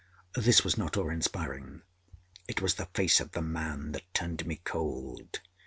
This was not awe inspiring. It was the face of the man that turned me cold.